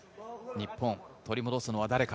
日本、取り戻すのは誰か。